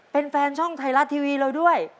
เป็นแฟนช่องไทยรัฐทีวีเราด้วย